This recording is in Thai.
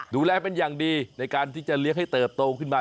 ดูแลเป็นอย่างดีในการที่จะเลี้ยงให้เติบโตขึ้นมา